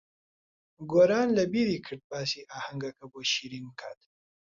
گۆران لەبیری کرد باسی ئاهەنگەکە بۆ شیرین بکات.